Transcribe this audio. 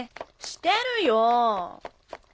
してるよ！